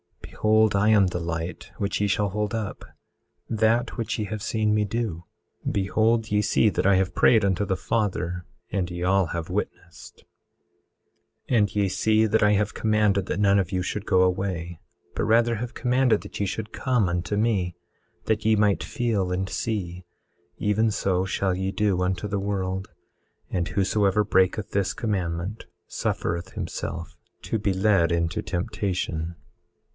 Behold I am the light which ye shall hold up—that which ye have seen me do. Behold ye see that I have prayed unto the Father, and ye all have witnessed. 18:25 And ye see that I have commanded that none of you should go away, but rather have commanded that ye should come unto me, that ye might feel and see; even so shall ye do unto the world; and whosoever breaketh this commandment suffereth himself to be led into temptation.